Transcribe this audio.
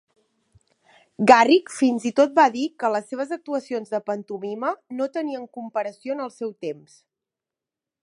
Garrick fins i tot va dir que les seves actuacions de pantomima no tenien comparació en el seu temps.